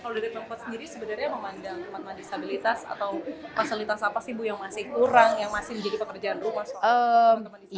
kalau dari pemkot sendiri sebenarnya memandang teman teman disabilitas atau fasilitas apa sih bu yang masih kurang yang masih menjadi pekerjaan rumah